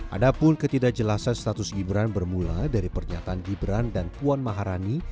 ada pun ketidakjelasan status gibran bermula dari pernyataan gibran dan puan maharani